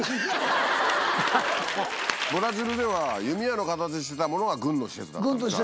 ブラジルでは弓矢の形してたものが軍の施設だった。